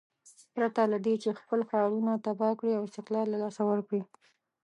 پرته له دې چې خپل ښارونه تباه کړي او استقلال له لاسه ورکړي.